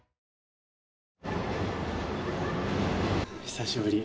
久しぶり。